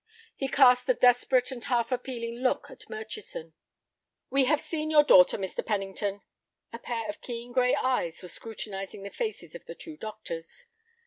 He cast a desperate and half appealing look at Murchison. "We have just seen your daughter, Mr. Pennington." A pair of keen gray eyes were scrutinizing the faces of the two doctors.